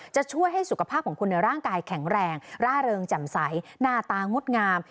จะช่วยให้สุขภาพของคุณในร่างกายแข็งแรงร่าเริงแจ่มใสหน้าตางดงาม